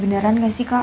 beneran gak sih kak